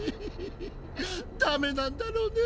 ダメなんだろうね。